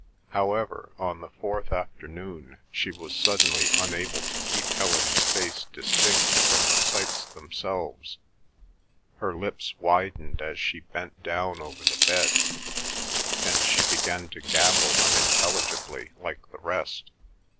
However, on the fourth afternoon she was suddenly unable to keep Helen's face distinct from the sights themselves; her lips widened as she bent down over the bed, and she began to gabble unintelligibly like the rest.